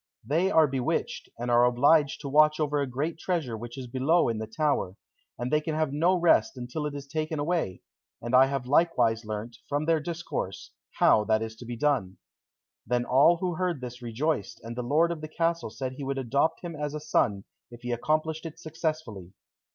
They are bewitched, and are obliged to watch over a great treasure which is below in the tower, and they can have no rest until it is taken away, and I have likewise learnt, from their discourse, how that is to be done." Then all who heard this rejoiced, and the lord of the castle said he would adopt him as a son if he accomplished it successfully.